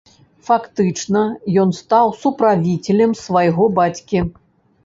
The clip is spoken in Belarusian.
Фактычна ён стаў суправіцелем свайго бацькі.